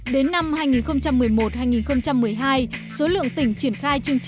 đến năm hai nghìn một mươi một hai nghìn một mươi hai số lượng tỉnh triển khai chương trình